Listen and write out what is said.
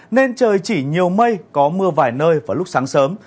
nên trời chỉ nhiều mây có mưa vài nơi vào lúc sáng sớm